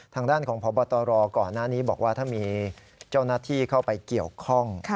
ทางด้านของพบตรก่อนหน้านี้บอกว่าถ้ามีเจ้าหน้าที่เข้าไปเกี่ยวข้อง